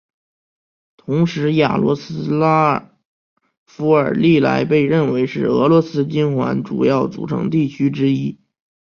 同时雅罗斯拉夫尔历来被认为是俄罗斯金环的主要组成地区之一。